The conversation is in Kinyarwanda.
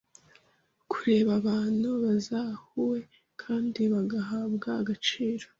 kureba abantu bazahuwe kandi bagahabwa agaciro